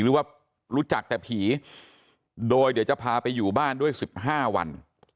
รู้จักแต่ผีโดยจะพาไปอยู่มาด้วย๑๕วัน